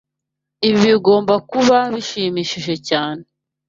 Ibi bigomba kuba bishimishije cyane.